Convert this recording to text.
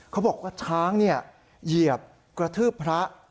เขาบอกว่าช้างเหยียบกระทืบพระ